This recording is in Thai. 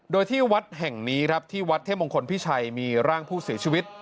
โดยที่วัดแห่งนี้ครับที่วัดเทพมงคลพิชัยมีร่างผู้เสียชีวิต